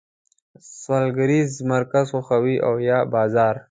سوداګریز مرکز خوښوی او یا بازار؟